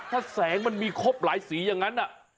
ถ้าแสงมันมีครบหลายสีอย่างนั้น